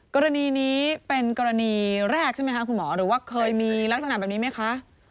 กรณีนี้เป็นกรณีแรกใช่ไหมคะคุณหมอหรือว่าเคยมีลักษณะแบบนี้ไหมคะ